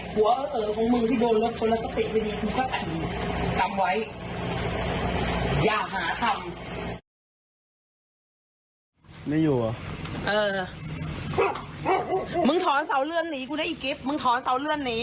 ก็ต้องหาคำ